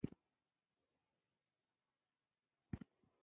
هغې وویل چې زوی مې څومره ډنګر او لاغر شوی دی